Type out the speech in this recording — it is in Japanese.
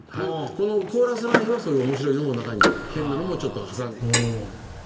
このコーラスラインはそういう面白いのも中に変なのもちょっと挟んでるんです。